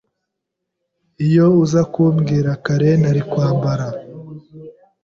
Iyo uza kumbwira kare, nari kwambara.